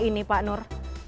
ini pak nur